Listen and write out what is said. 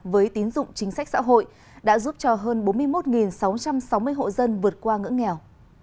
với tín dụng chính sách xã hội đã giúp cho hơn bốn mươi một sáu trăm sáu mươi hộ dân vượt qua ngưỡng nghèo